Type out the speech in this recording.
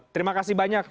terima kasih banyak